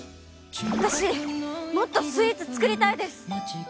私もっとスイーツ作りたいです